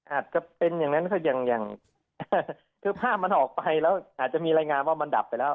อาจจะเป็นอย่างนั้นก็อย่างคือภาพมันออกไปแล้วอาจจะมีรายงานว่ามันดับไปแล้ว